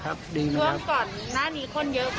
ตลาดไม่มีคนเดินเลยแต่ว่าที่ตลาดเรามีถึงพัดกรองนะคะ